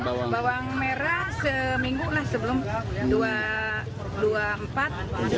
bawang merah seminggu lah sebelumnya